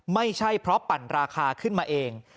ไม่ใช่เพราะปั่นราคาขึ้นมาเอง